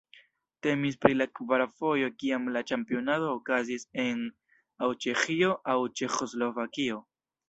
Temis pri la kvara fojo kiam la ĉampionado okazis en aŭ Ĉeĥio aŭ Ĉeĥoslovakio.